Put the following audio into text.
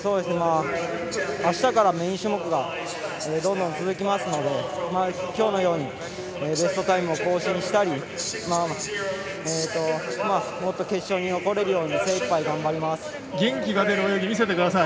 あしたからメイン種目がどんどん続きますので今日のようにベストタイムを更新したりもっと決勝に残れるよう精いっぱい元気が出る泳ぎ見せてください。